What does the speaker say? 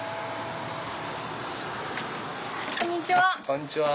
こんにちは。